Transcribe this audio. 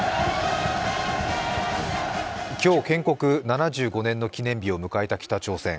今日、建国７５年の記念日を迎えた北朝鮮。